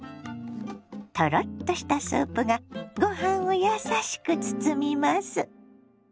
トロッとしたスープがご飯を優しく包みます。